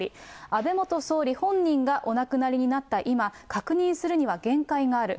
安倍元総理本人がお亡くなりになった今、確認するには限界がある。